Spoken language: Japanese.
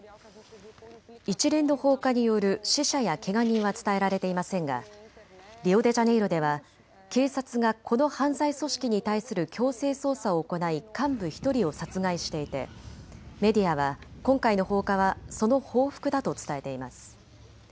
一連の放火による死者やけが人は伝えられていませんがリオデジャネイロでは警察がこの犯罪組織に対する強制捜査を行い幹部１人を殺害していてメディアは今回の放火はその報復だと伝えています。